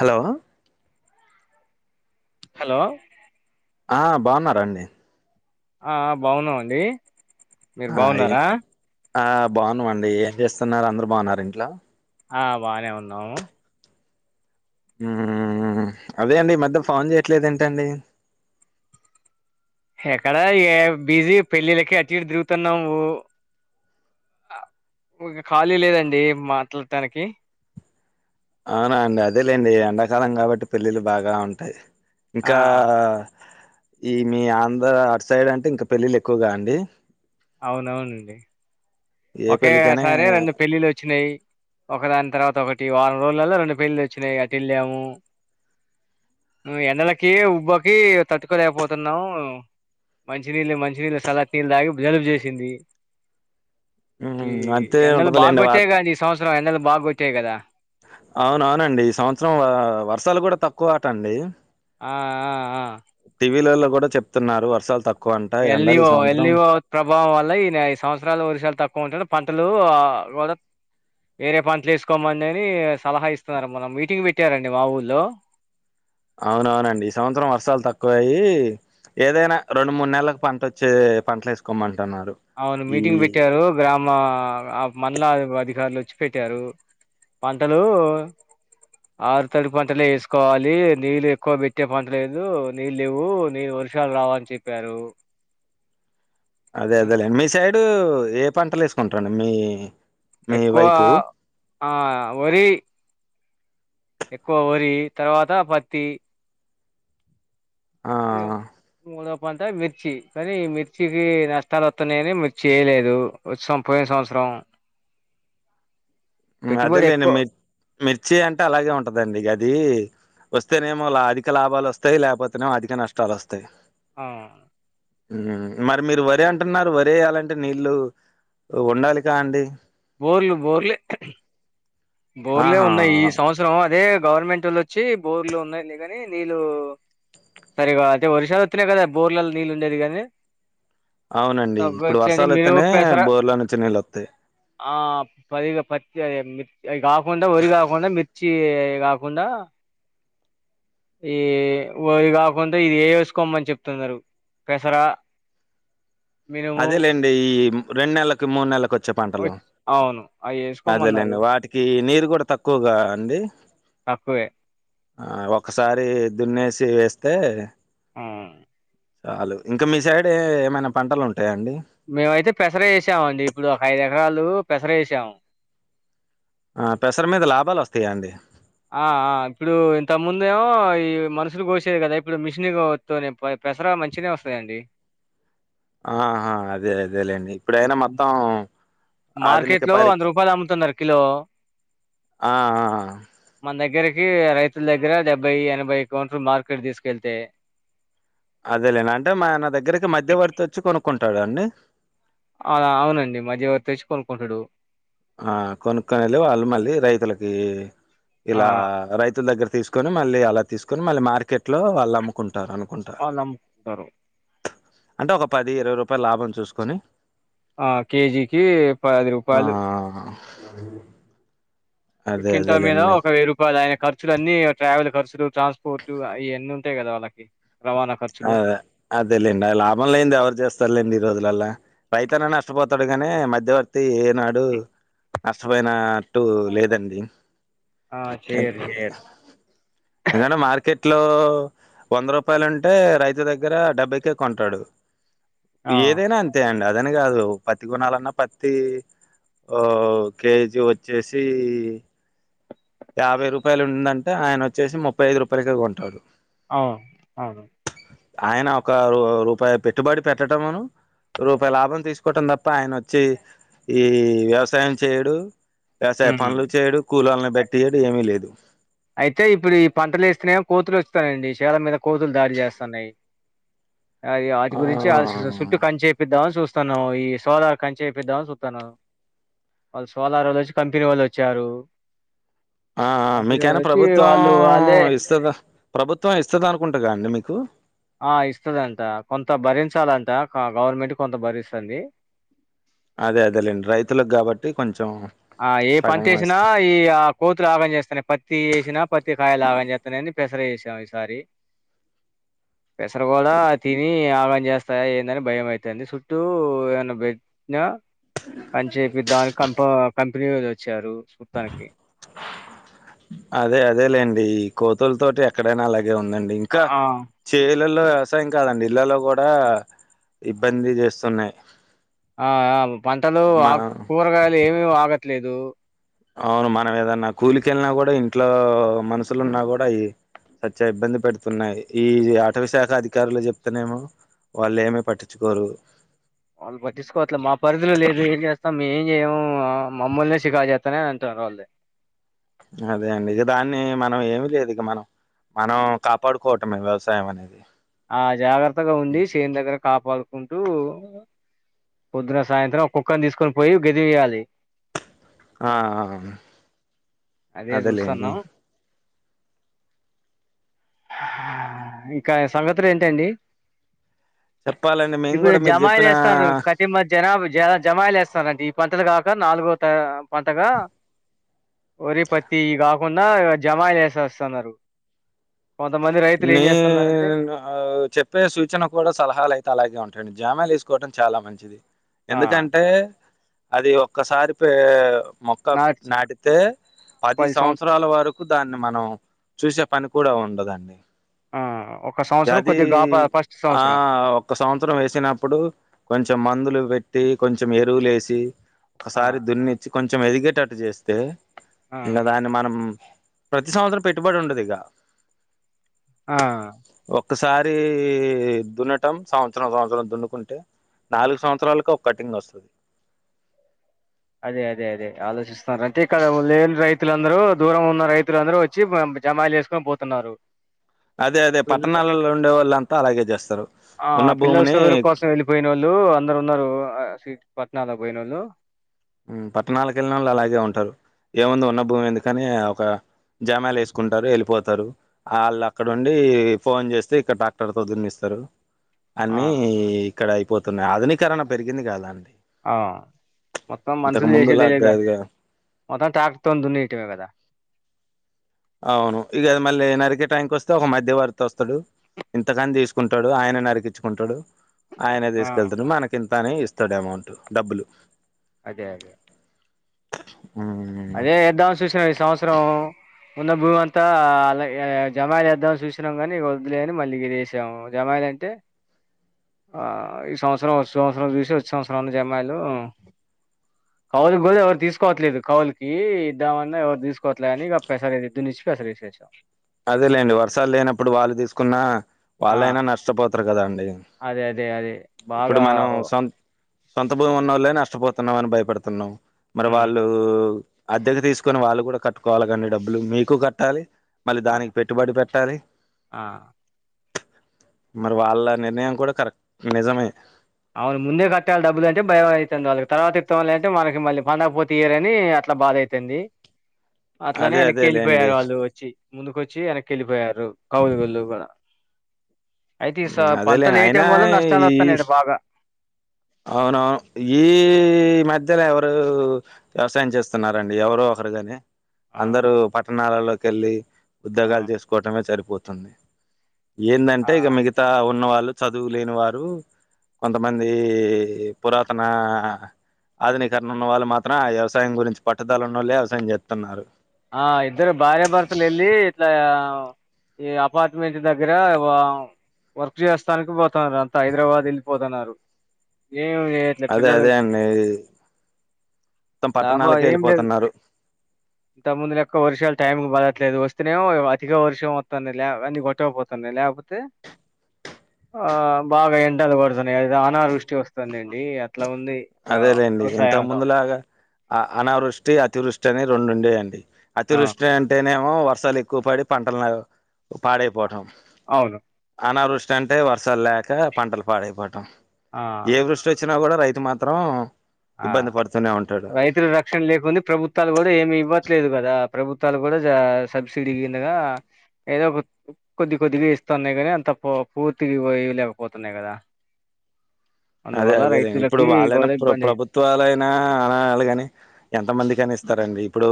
Hello hello ఆ బాగున్నారండి ఆ బాగున్నామండి మీరు ఆ ఏ బాగున్నారా ఆ బాగున్నావండి ఏం చేస్తున్నారు అందరు బాగున్నారు ఇంట్లో ఆ బానే ఉన్నాము హ్మ్ అదే అండి ఈ మధ్యల ఫోన్ చేయట్లేదు ఏంటండి ఎక్కడ ఏ బిజీ పెళ్ళిళ్లకి అటు ఇటు తిరుగుతున్నాము ఓ ఇ ఖాళీ లేదండి మాట్లాడటానికి అవునా అండి అదేలేండి ఎండాకాలం కాబట్టి పెళ్ళిళ్ళ బాగా ఉంటాయి ఆ ఇంకా ఈ మీ ఆంధ్ర అటు సైడ్ అంటే ఇంకా పెళ్ళిళ్ళు ఎక్కువగా అండి అవునవునండి ఏ ఒకే పెళ్ళికైనా సారీ రెండు పెళ్ళిళ్ వచ్చినాయి ఒక దాని తర్వాత ఒకటి వారం రోజులల్లో రెండు పెళ్లిలు వచ్చినయి అటు వెళ్ళాము నువ్వు ఎఎండలకి ఉబ్బకి తట్టుకోలేకపోతున్నాము మంచినీళ్ళ మంచినీళ్ సల్లట్ నీళ్ళు తాగి జలుబు చేసింది ఈ మ్మ్ అంతే ఎండలు బాగా ఉంటదిలేండి వా కొట్టాయి గ ఈ సంవత్సరం ఎండలు బాగా కొట్టాయి కదా అవునవునండి ఈ సంవత్సరం వర్షాలు కూడా తక్కువ ఆట అండి ఆ ఆ ఆ టీవీలలో కూడా చెప్తున్నారు వర్షాలు తక్ ఎలివో ఎలివో ప్రభావం వల్ల ఈన ఈ సంవత్సరం ల వరసాలు తక్కువ ఉంటా పంటలు వేరే పంటలు వేసుకో మాన్ని సలహా ఇస్తున్నారు మన మీటింగ్ పెట్టారండి మా ఊళ్ళో అవునవునండి ఈ సంవత్సరం వర్షాలు తక్కువయ్యి ఏదైనా రెండు మూడు నెలలకు పంటోచ్చే పంటలు ఏసుకోమంటున్నాడు అవును మీటింగ్ బెట్టారు గ్రామా అ మండల అధికారులు ఒచ్చి పెట్టారు పంటలూ ఆరు తడి పంటలే యేసుకోవాలి నీళ్ళు ఎక్కువ పెట్టే పంట లేదు నీల్ లేవు నీల్ ఒర్ష్ షాల్ రావని చెప్పారు అదే అదే లే మీ సైడు ఏ పంటల్ యేసుకుంటరండి మీ మీ ఎక్కువ వైపు ఆ ఒరీ ఎక్కువ వొరీ తర్వాత పత్తి ఆ ఏం మూడప్ ప్పంతా మిర్చి కానీ మిర్చికి నష్టాలు ఓత్తున్నాయని మిర్చి ఏయలేదు ఒత్సం పోయిన సంవత్సరం బ్లాంక్ ఉ అదే లేండి మిర్ మిర్చి అంటే అలాగే ఉంటదండి ఇగ అది ఒస్తేనేమో లా అధిక లాభాలొస్తయ్ లేకపోతేనేమో అధిక నష్టాలొస్తయ్ ఆ ఉమ్మ్ మరి మీరు వరి అంటున్నారు వరేయ్యాలంటే నీళ్ళు ఉండాలిక అండి బోర్లు బోర్లే బోర్లే ఆహా ఉన్నయి ఈ సంవత్సరం అదే గవర్నమెంటోళ్ళోచ్చి బోర్లు ఉన్నాయి లే గని నీళ్లు సరిగా అయితే వర్షాలు ఒత్తనే గదా బోర్లలో నీళ్ ఉండేదిగని అవునండి ఇప్పుడు మినుము వర్షాలొత్తనే పెసర బోర్ల నుంచి నీల్లోత్తయ్ ఆ పదిగ పత్తి అయె మిత్ అయ్ గాకుండా ఒరి గాకుండా మిత్ చ్చి అయ్ గాకుండా ఈ ఓయ్ గాకుండ ఇది ఏ ఏసుకోమ్మని చెప్తున్నరు పెసరా అదేలేండి ఈ రెండు నెల్లకి మూడు నెల్లకి ఒత్ ఒయ్ అవును ఆయెస్ అదేలేండి వాటికి నీరు గూడ తక్కువ్ గా అండి తక్కువే ఆ ఒకసారి దున్నేసి వేస్తే మ్మ్ ఆలు ఇంకా మీ సైడ్ ఏ ఏమైనా పంటలుంటాయా అండి మేమైతే పెసర ఏసామండి ఇప్పుడు ఒక ఐదు ఎకరాలు పెసర ఏసామ్ అ పెసర మీద లాభాలొస్తాయా అండి ఆ అ ఇప్పుడు ఇంత ముందేమో ఈ మనుషులు కోసెయి కదా ఇప్పుడు మిషన్ గో తోనే పై పెసర మంచినే ఒస్తాయండి ఆహా అదే అదేలేండి ఇప్పుడైనా మొత్తం ఆధునిక మార్కెట్ లో పరి వంద రూపాయలు అమ్ముతున్నారు కిలో ఆ ఆ మన దగ్గరకి రైతుల దగ్గర డెబ్బై ఎనభై కౌంటు మార్కెట్ దీసుకెళ్తే అదేలేన్డి అంటే మా ఆయన దగ్గరికి మధ్యవర్తి ఒచ్చి కొనుక్కుంటాడండి అలా అవునండి మధ్యవర్తి వచ్చి కొనుకుంటడు ఆ కొనుక్కనిలే వాళ్ళు మళ్ళీ రైతులకి ఆ ఇలా రైతుల దగ్గర తీసుకు కొని మళ్ళీ అలా తీసుకని మళ్ళీ మార్కెట్ లో వాల్ అమ్ము కుంటారు అనుకుంటా వాళ్లముకుంటారు అంటే ఒక పది ఇరవై రూపాయ్ లాభం చూసుకొని ఆ కేజీకి పది రూపాయలు ఆహ ఇకింటామేనా ఒక వేయి రూప్ వలాయన ఖర్చులన్నీ ట్రావెల్ ఖర్చులు ట్రాన్స్పోర్ట్ అ ఇయన్నీ ఉంటాయి గదా వాళ్ళకి రవాణా ఖర్ ఆ అదేలేండి అ లాభం లేంది ఎవరు చేస్తారులేండి ఈ రోజులలా రైతన్న నష్ట పోతాడు గానీ మధ్యవర్తి ఏనాడు నష్ట పోయినట్టు లేదండి ఆ ఎన్‌ చేయరు చేయరు ఎదన్న మార్కెట్ లో వంద రూపాయలుం టే రైతు దగ్గర డబ్బైకే కొంటాడు ఆ ఏదైనా అంతే అంతే అండి అదని కాదు పత్తి కొణాలన్నా పత్తి ఓ కేజీ వచ్చేసి యాభై రూపాయలు ఉందంటే ఆయన వచ్చేసి ముప్పై ఐదు రూపాయలకే కొంటాడు అవు అవును ఆయన ఒక రూపాయి పెట్టుబడి పెట్టడంమును రూపాయి లాభం తీసుకోవటం తప్ప ఆయన వచ్చి ఈ వ్యవసాయం చేయడు వ్యవసాయ ఉమ్ పనులు చేయడు కూలొలని బెట్టియడు ఏమీ లేదు అయితే ఇప్పుడు ఈ పంటలు ఏస్తన్నా కోతులు వస్తానయండి సేల మీద కోతులు దాడి చేస్తున్నాయి అయో వాటి ఆ గురించి అ చుట్టూ కంచ్చేపిద్దామని చూస్ చూస్తున్నం ఈ సోలార్ కంచ్చేపిద్దామని చూస్తున్నా వాళ్ళు సోలార్ వాళ్ళు వచ్చి కంపెనీ వాళ్ళు వచ్చారు ఆ ఆ కంపెనీ మీకైనా వాళ్ళు వచ్చి ప్రభుత్వం వాళ్ళు వాళ్ళే ఇస్తద ప్రభుత్వం ఇస్తుదనుకుంటగ అండి మీకు ఆ ఇస్తదంట కొంత భరించాలంట గవర్నమెంట్ కొంత భరిస్తుంది అదే అదేలేండి రైతులకు కాబట్టి కొంచెం ఆ ఏ పంట సగం ఏసినచేసినా ఇస్తా ఈ ఆ కోతులు ఆగం చేేస్తన్నాయి పత్తి ఏసినా పత్తి కాయలు ఆగం చేేత్తనాయి అని పెసర ఏసాం ఈసారి పెసర గుడ తిని ఆగం చేస్ స్తాయని ఏందని భయం అయితంది చుట్టూ ఏన్న బెట్న అని చెప్పి దానికి కంప కంపెనీ నుంచి వచ్చారు సుత్తానికి అదే అదే లేండి ఈ కోతుల తోటి ఎక్కడైనా అలాగే ఉందండి ఇంకా ఆ చేలల్లో వ్యవసాయం కాదండి ఇళ్లలో కూడా ఇబ్బంది చేస్తున్నాయి ఆ ఆ పంటలు ఆ మా కూరగాయలు ఏమి ఆగట్లేదు అవును మనం ఏదన్నా కూలికెళ్ళిన కూడా ఇంట్లో మనుషులున్నా కూడా ఈ చచ్చా ఇబ్బంది పెడుతున్నాయి ఈ ఆట విశాఖ అధికారుల కి చెప్తేనేమో వాళ్ళు ఏమీ పట్టించుకోరు వాళ్ళు పట్టికోవట్లే మా పరిధిలో లేదు ఏం చేస్తాం మే ఏం చేయము మమ్మల్నె షికాకు చేస్తానయి అని అంటన్నారు వాళ్ళే అదే అండి ఇగ దాన్ని మనం ఏమి లేదు ఇగ మనం మనం కాపాడుకోవటమే వ్యవసాయం అనేది ఆ జాగ్రత్తగా ఉండి సేన్ దగ్గర కాపాడుకుంటూ పొద్దున సాయంత్రం కుక్కని తీసుకొని పోయి గదివేయాలి ఆ ఆ ఆ అదే చూస్తన్నా ఆ ఇంక సంగతులు ఏంటండి చెప్పాలండి మేము ఇప్పుడు కూడా మీరు జమాయి చెప్పిన చేస్తారు క మరి జనాభ జ జమాయిలు ఏస్తారంట ఈ పంటలు గాక నాలుగొ పంటగా వరి పత్తి కాకుండా జమాయి ఏసేస్తన్నారు కొంతమంది రైతులు ఏం చేస్తున్నారంటే ఆ చెప్పే సూచన కూడా సలహాలు అయితే అలాగే ఉంటాడి జామలు ఏసుకోవటం చాలా మంచిది ఆ ఎందుకంటే అది ఒక్కసారి పె మొక్క నా నాటితే పది సంవత్సరాల వర కుదాన్ని మనం చూసే పని కూడా ఉండదండి ఆ ఒక సంవత్సరం కొద్దిగా ఫస్ట్ సంవత్సరం ఒక సంవత్సరం వేసినప్పుడు కొంచెం మందులు పెట్టి కొంచెం ఎరువులేసి ఆ ఒకసారి దున్నిచ్చి కొంచెం ఎదిగేటట్టు చేస్తే ఆ ఇంగ దాన్ని మనం ప్రతి సంవత్సరం పెట్టుబడి ఉండదు ఇగ ఆ ఒక్కసారి దున్నటం సంవత్సరం సంవత్సరం దున్నుకుంటే నాలుగు సంవత్సరాలకు ఒక కటింగ్ వస్తది అదే అదే అదే ఆలోచిస్తున్నారు అంటే ఇక్కడ లేన్ రైతులందరూ దూరం ఉన్న రైతులందరూ వచ్చి జమాలు చేసు ఇంక పోతున్నారు అదే అదే పిల్ పట్టణాలలో ఉండే వాళ్ళంతా అలాగే చేస్తారు ఉన్న భూమిని పోయినోళ్ళు అందరు ఉన్నారు పట్నలో పోయినోళ్ళు ఊ పట్టణాలకెళ్ళినోళ్ళు అలాగే ఉంటారు ఏముంది ఉన్న భూమి ఎందుకని ఒక జామాయిల్ ఏస్కుంటారు ఎళ్ళిపోతారు ఆళ్ళక్కడ ఉండి ఫోన్ చేస్తే ఇక్కడ టాక్టర్ తో దున్నిస్తరు ఆ అన్ని ఇక్కడ అయిపోతున్నాయి ఆధునీకరణ పెరిగింది కదా అండి ఆ మొత్తం ఇంతకు మనుషులు చేసేదే ముందులాగ లేదా కాదుగా మొత్తం టాక్టర్ తో దున్నేయటమే కదా అవును ఇక మళ్ళీ నరికే టాంక్ వస్తే ఒక మధ్య వర్తి వస్తాడు ఇంతకన్ తీస్కుంటడు ఆయన నరికించుకుంటుడు ఆయనే ఆ తీస్కెళుతడు మనకింతని ఇస్తాడు అమౌంటు డబ్బులు అదే అదే ఊ అదే ఏద్దామని చూసినం ఈ సంవత్సరం ఉన్న భూమంతా అలా ఏ జమాయిలేద్దాం జుసినాం కాని వద్లేఅని మళ్ళీ ఇదే ఏసాము జమాయిలు అంటే ఆ ఈ సంవత్సరం వచ్చే సంవత్సరం చూసి వచ్చే సంవత్సరంన్ని జమాయిలు కౌలు కూడా ఎవరు తీసుకోవట్లేదు కౌలుకు ఈ ఇద్దామన్నా ఎవరు తీసుకోవట్లే అని ఇక పెస ఎద్దునిచ్చి పెసరేసేస అదేలేండి వర్షాలు లేనప్పుడు వాళ్ళు తీసుకున్న ఆ వాళ్ళైనా నష్టపోతారు కదా అండి అదే అదే అదే ఇప్పుడు బాగా మనం ఓ సొం సొంత భూమున్నోళ్లే నష్టపోతున్నామని భయపడుతున్నాం మరి హ్మ్. వాళ్ళు అద్దెకు తీస్కొని వాళ్ళు కూడా కట్టుకోవాలేకాండి డబ్బులు మీకు కట్టాలి మళ్ళీ ఆ! దానికి పెట్టుబడి పెట్టాలి ఆ! మరి వాళ్ళ నిర్ణయం కూడా కరెక్ట్ నిజమే అవును ముందే కట్టాల్ డబ్బులు అంటే భయం అయి తంది వాళ్ళకి తర్వాత ఇత్తంలే అంటే మనకి మళ్ళీ పండక పోత ఇయరని అట్లా బాధ అయి తంది అట్లానే అదే వెనక్కి అదే లేండి వెళ్ళిపోయారు వాళ్ళు వ చ్చి ముందుకు వచ్చి వెనక్కి వెళ్ళిపోయారు కౌలుగోళ్ళు గూడ అయితే ఈ సా హ్మ్. పంట అదేలేండి అయినా లేయటం వల్ల నష్టాలొత్తనయట బాగా అవును ఈ మధ్యలో ఎవరు వ్యవసాయం చేస్తున్నారండి ఎవరో ఒకరు గాని ఆ! అందరూ పట్టణాలలో కెళ్ళి ఆ! ఉద్యోగాలు చేసుకోవటమే సరిపోతుంది ఏందంటే ఆ! ఇగ మిగతా ఉన్న వాళ్ళు చదువులేని వారు కొంతమంది ఈ పురాతనా ఆధునీకరణ ఉన్న వాళ్ళు మాత్రం ఆ వ్యవసాయం గురించి పట్టుదల ఉన్న వాళ్ళు వ్యవసాయం చేత్తున్నారు ఆ ఇద్దరు భార్యభర్త లెల్లి ఇట్లా ఈ అపార్ట్మెంట్ దగ్గర వా వర్క్ చేస్తానికి పోతన్నారు అంత హైదరాబాద్ ఎళ్ళిపోతన్నారు ఏం ఏ అదే అదే అండి త్తం లాభం పట్టణాలకే ఏం లేదు. ఎళ్ళిపోతున్నారు ఇంత ముందు లెక్క వర్షాలు టైమ్కి పడట్లేదు వస్తేనేమో అధిక వర్షం వత్తంది లే అన్ని గొట్టకపోతున్నాయి లేకపోతే ఆ బాగా ఎండలు పడుతున్నాయి అది అనావృష్టి వస్తుందండి అట్లా ఉంది ఆ, అదేలేండి ఇంత వ్యవసాయంలో ముందులాగా అ అనావృష్టి అతివృష్టి అని రెండుండేయండి ఆ అతివృష్టి అం అంటేనేమో వర్షాలెక్కువ పడి పంటలు పాడైపోటం అవును అనావృష్టి అంటే వర్షాల్లేక పంటలు పాడైపోటం ఆ ఏ వృష్ వచ్చినా కూడా రైతు మాత్రం ఆ ఇబ్బంది పడుతూనే ఉంటాడు రైతుల రక్షణ లేకుంది ప్రభుత్వాలు కూడా ఏమి ఇవ్వట్లేదు కదా ప్రభుత్వాలు కూడా సబ్సిడీ కిందగా ఏదో ఒక కొద్ది కొద్దిగా ఇస్తున్నాయి కానీ అంత పూర్తిగా ఇవ్వలేకపోతున్నాయి కదా అదే అందువల్ల అదే లెండి ఇప్పుడు రైతులకి వాళ్ళైనా కూడా ప్రభుత్వం ఇబ్బంది ప్రభుత్వాలయినా అనాలి కాని ఎంతమందికి కని ఇస్తారండి ఇప్పుడు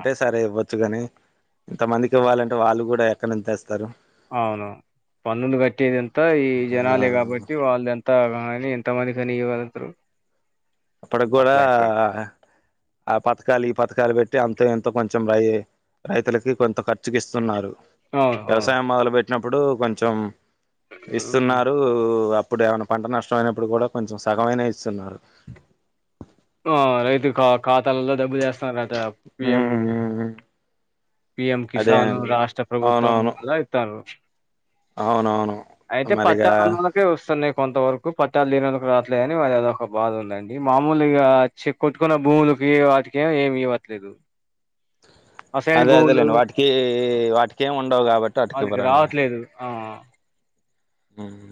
ఆ సరే ఇవ్వ చ్చు కాని ఎంత మందికి ఇవ్వాలంటే వాళ్ళు కూడా ఎక్కడ నుండి తేస్తారు అవును పన్నులు కట్టేదింత ఈ జనాలే ఆ కాబట్టి వాళ్ళు ఎంత త ఎంత మంది కని ఇవ్వగలుగుతారు అప్పటికి కూడా అట్లా అయిపోయింది ఆ పథకాలు ఈ పథకాలు పెట్టి అంత ఎంతో కొంచెం రై రైతులకి కొంత ఖర్చుకి ఇస్తున్నారు అవును అవును వ్యవసాయం మొదలు పెెట్టినప్పుడు కొంచెం ఇస్తున్నారు ఇప్పుడు ఏమైనా పంట నష్టం అయినప్పుడు కూడా కొంచెం సగమైన ఇస్తున్నారు ఆ రైతు ఖాతాలలో డబ్బు చేస్తున్నారట పిఎం ఉమ్ పిఎం అదే కిసాన్ అండి రాష్ట్ర ప్రభుత్వం అవునవును అలా ఇత్తరు అవునవును మరిగా ఇగ వస్తున్నాయి కొంత వరకు పట్టాలు లేనోళ్లకు రాట్లే అని వాళ్ళు ఏదో ఒక బాధ ఉందండి మామూ లు చె కొట్టుకున్న భూములకి వాటికే ఏమి ఇవ్వట్లేదు అసైన్ అదే భూములు అదేలేండి వాటికి వాటికేమి ఉండవు కాబట్టి వాటికి ఇవ్వరండి ఆ ఆ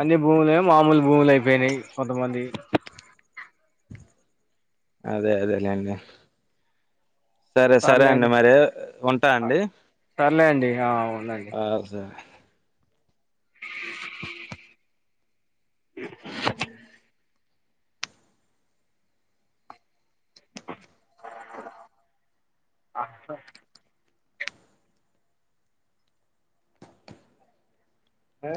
అన్ని భూములు ఏమో మామూలు భూములు అయిపోయినాయి కొంతమందివి అదే అదేలేే అండి సరే సరే అండి సర్లేండి మరి ఉంటా అండి సర్లే అండి ఆ ఉండండి ఆ సార్ అ అ ఆ